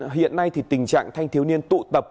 hiện nay thì tình trạng thanh thiếu niên tụ tập